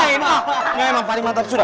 ya emang pari mantap sudah